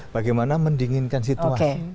bagaimana mendinginkan situasi